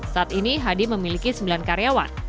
saat ini hadi memiliki sembilan karyawan